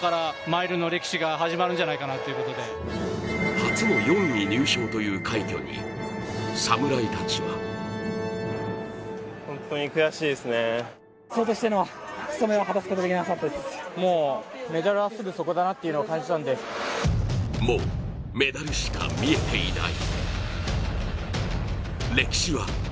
初の４位入賞という快挙に侍たちはもうメダルしか見えていない。